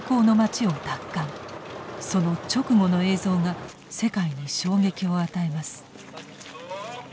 その直後の映像が世界に衝撃を与えます。